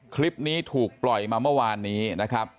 คลิปนี้ถูกปล่อยมาเมื่อวานนี้นะครับ